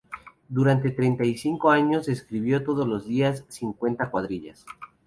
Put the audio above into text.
Durante treinta y cinco años escribió todos los días cincuenta cuartillas.